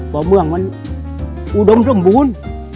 เพราะเมืองมันอุดมช่วงบุญ